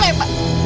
saya capek pak